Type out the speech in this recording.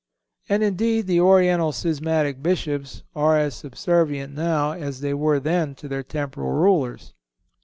And, indeed, the Oriental schismatic Bishops are as subservient now as they were then to their temporal rulers.